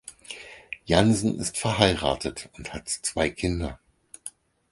Jansen ist verheiratet und hat zwei Kinder.